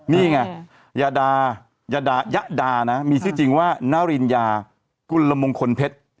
นี่ไงยาดายาดานะมีชื่อจริงว่านาริญญากุลมงคลเพชร